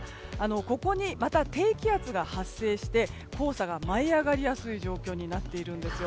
ここにまた低気圧が発生して黄砂が舞い上がりやすい状況になっているんですよ。